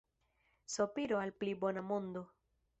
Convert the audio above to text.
Sopiro al pli bona mondo.